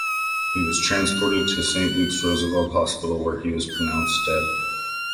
He was transported to Saint Luke's-Roosevelt Hospital, where he was pronounced dead.